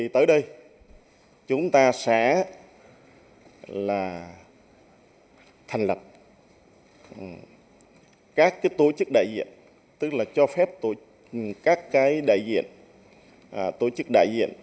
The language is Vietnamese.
tới đây chúng ta sẽ thành lập các tổ chức đại diện tức là cho phép các đại diện tổ chức đại diện